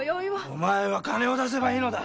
お前は金を出せばいいのだ。